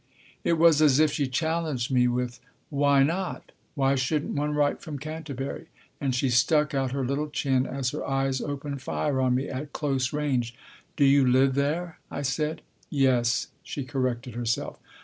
It was as if she challenged me with " Why not ? Why shouldn't one write from Canterbury ?" And she stuck out her little chin as her eyes opened fire on me at close range. " Do you live there ?" I said. " Yes." She corrected herself.